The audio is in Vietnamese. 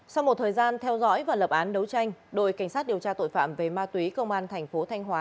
sau một thời gian theo dõi và lập án đấu tranh đội cảnh sát điều tra tội phạm về ma túy công an thành phố thanh hóa